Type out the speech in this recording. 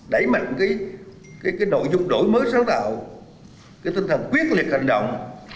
đẩy mạnh cái nội dung đổi mới sáng tạo cái tinh thần quyết liệt hành động